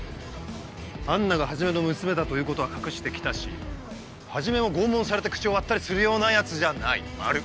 アンナが始の娘だということは隠して来たし始も拷問されて口を割ったりするようなヤツじゃないまる。